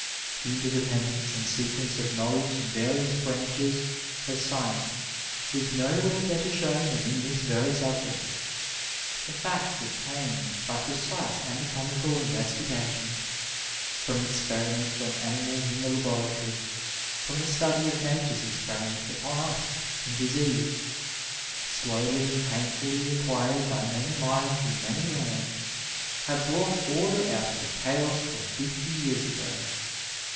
The inter dependence and sequence of knowledge in various branches of science is nowhere better shown than in this very subject. The facts obtained by precise anatomical investigation, from experiments on animals in the laboratory, from the study of nature's experiments upon us in disease, slowly and painfully acquired by many minds in many lands, have brought order out of the chaos of fifty years ago.